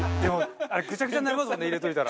ぐちゃぐちゃになりますもんね入れといたら。